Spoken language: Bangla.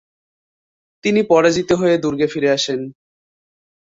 তিনি পরাজিত হয়ে দুর্গে ফিরে আসেন।